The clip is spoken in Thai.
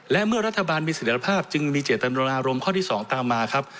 และเมื่อรัฐบาลมีเสร็จภาพจึงมีเจตนารมณ์ข้อที่๒ตามมาครับ